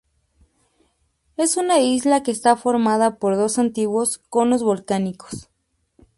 Es una isla que está formado por dos antiguos conos volcánicos.